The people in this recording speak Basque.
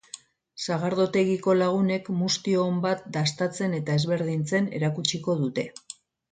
Sagardotegiko lagunek sagardo muztio on bat dastatzen eta ezberdintzen erakutsiko dute.